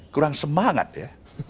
kurang semangat ya